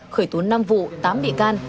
khởi tốn năm vụ tám bị can